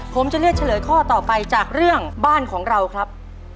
ผมจะเลือกเฉลยข้อต่อไปจากเรื่องบ้านของเราครับ